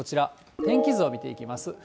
天気図を見ていきます。